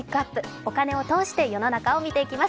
お金を通して世の中を見ていきます。